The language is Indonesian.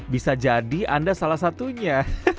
bisa jadi anda salah satunya